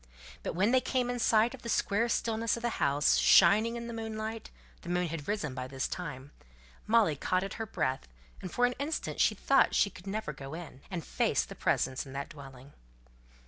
But when they came in sight of the square stillness of the house, shining in the moonlight the moon had risen by this time Molly caught at her breath, and for an instant she thought she never could go in, and face the presence in that dwelling.